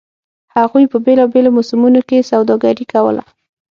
هغوی په بېلابېلو موسمونو کې سوداګري کوله.